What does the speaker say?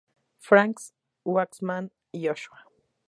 Franz Waxman, "Joshua".